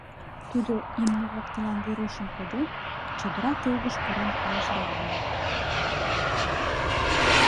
Тудо имне воктелан Верушым коден, чодыра кӧргыш пурен кайыш да йомо.